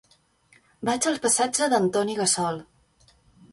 Vaig al passatge d'Antoni Gassol.